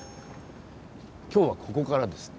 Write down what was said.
今日はここからですね